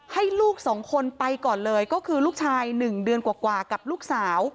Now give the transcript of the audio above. ให้ลูกสองคนไปก่อนเลยก็คือลูกชาย๑เดือนกว่ากับลูกสาว